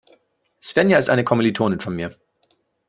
Svenja ist eine Kommilitonin von mir.